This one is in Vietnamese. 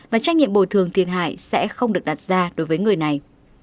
và trách nhiệm bồi thường thiệt hại sẽ không được đặt ra đối với người này